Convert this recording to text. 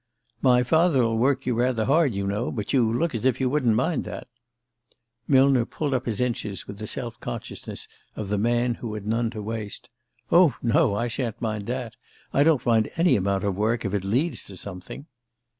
"My father'll work you rather hard, you know: but you look as if you wouldn't mind that." Millner pulled up his inches with the self consciousness of the man who had none to waste. "Oh, no, I shan't mind that: I don't mind any amount of work if it leads to something."